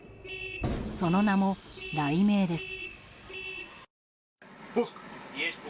その名も雷鳴です。